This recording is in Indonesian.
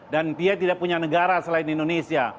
dan dia tidak punya negara selain indonesia